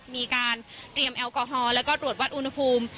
มีการเตรียมแอลกอฮอล์แล้วก็ตรวจวัดอุณหภูมิ